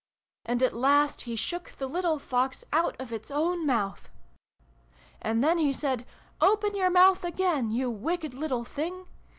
And at last he shook the little Fox out of its own mouth ! And then he said ' Open your mouth again, you wicked little thing